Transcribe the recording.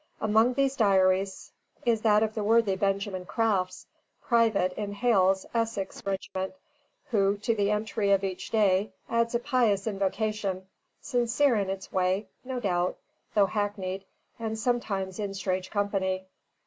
Among these diaries is that of the worthy Benjamin Crafts, private in Hale's Essex regiment, who to the entry of each day adds a pious invocation, sincere in its way, no doubt, though hackneyed, and sometimes in strange company.